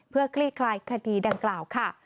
เพื่อคลี่คลายคดีดังกล่าวค่ะ